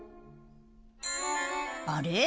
あれ？